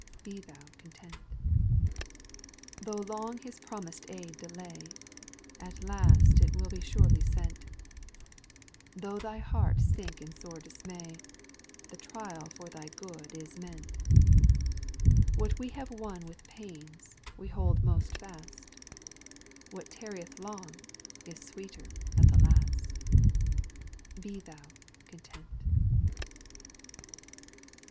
Be thou content. ' 34 886 SFIRITUAL SONGS, 9. Though long His promised aid delay, At last it will be surely sent : Though thy heart sink in sore dismay, The trial for thy good is meant. What we have won with pains, we hold most fast, What tarrieth long, is sweeter at the last. Be thou content.